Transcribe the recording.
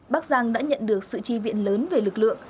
bắc giang đã nhận được sự tri viện lớn về lực lượng